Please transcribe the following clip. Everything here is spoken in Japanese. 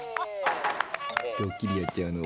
ドッキリやっちゃうの。